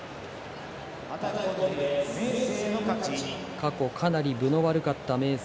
過去、かなり分の悪かった明生。